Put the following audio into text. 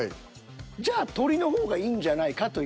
じゃあ鳥の方がいいんじゃないかという。